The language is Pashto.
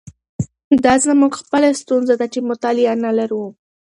دا زموږ خپله ستونزه ده چې مطالعه نه لرو.